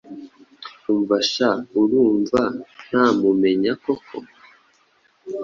Umva sha urumva ntamumenya koko